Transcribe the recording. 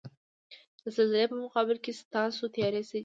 د زلزلې په مقابل کې ستاسو تیاری څه دی؟